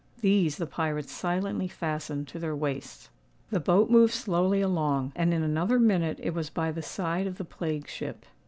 These the pirates silently fastened to their waists. The boat moved slowly along; and in another minute it was by the side of the plague ship.